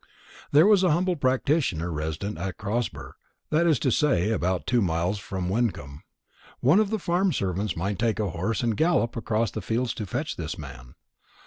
There was a humble practitioner resident at Crosber, that is to say, about two miles from Wyncomb. One of the farm servants might take a horse and gallop across the fields to fetch this man.